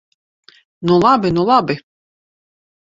Nu labi, nu labi!